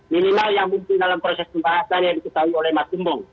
minimal yang mungkin dalam proses pembahasan yang diketahui oleh mas gembong